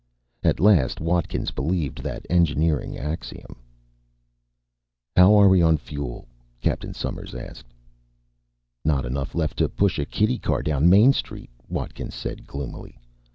At last Watkins believed that engineering axiom. "How are we on fuel?" Captain Somers asked. "Not enough left to push a kiddy car down Main Street," Watkins said gloomily.